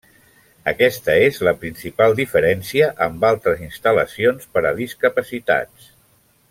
Aquesta és la principal diferència amb altres instal·lacions per a discapacitats.